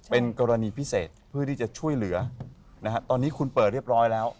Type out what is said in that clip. เป็นกรณีพิเศษเพื่อที่จะช่วยเหลือนะฮะตอนนี้คุณเปิดเรียบร้อยแล้ว